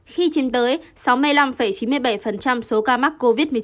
khi chiếm tới sáu mươi năm chín mươi bảy số ca mắc covid một mươi chín